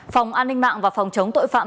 phòng an ninh mạng và phòng chống tội phạm